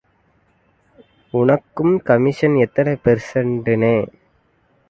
ஒனக்குக் commission எத்தனை பெர்சண்டுன்னேன்.